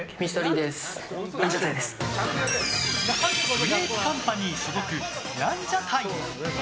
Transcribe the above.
グレープカンパニー所属ランジャタイ。